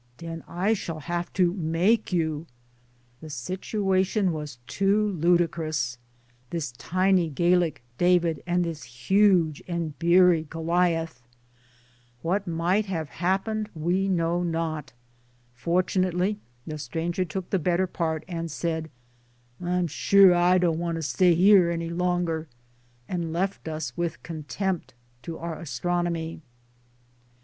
"Den I shall have to make you." The situation was too ludicrous this tiny Gallic David and this huge and beery Goliath ! What might have happened we know not. Fortunately the stranger took the better part, and said "I'm sure I don't want to stay 'ere any longer " and left us with contempt to our Astronomy.